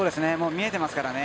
見えてますからね